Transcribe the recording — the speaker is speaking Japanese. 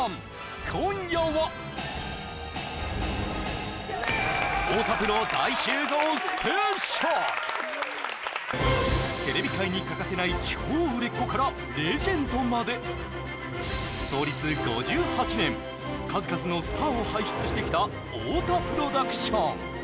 今夜はテレビ界に欠かせない超売れっ子からレジェンドまで創立５８年数々のスターを輩出してきた太田プロダクション